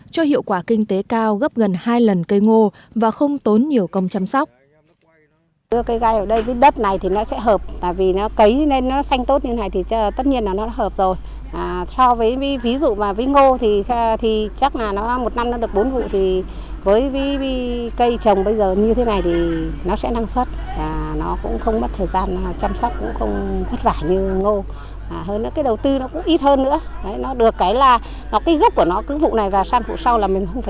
cho hiệu quả kinh tế cao gấp gần hai lần cây ngô và không tốn nhiều công chăm sóc